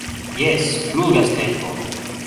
Jes, flugas tempo